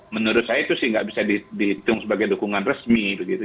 menurut saya itu sih nggak bisa dihitung sebagai dukungan resmi begitu